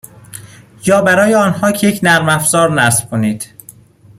یا برای آنها یک نرم افزار نصب کنید.